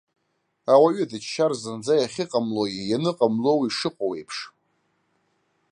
Ауаҩы дыччар зынӡа иахьыҟамлои ианыҟамлоуи шыҟоу еиԥш.